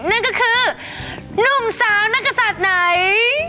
นั่นก็คือหนุ่มสาวนักศัตริย์ไหน